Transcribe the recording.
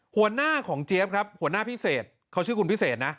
หัวหน้าของเจี๊ยบครับหัวหน้าพิเศษเขาชื่อคุณพิเศษนะ